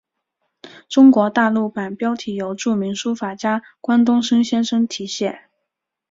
中国大陆版标题由著名书法家关东升先生提写。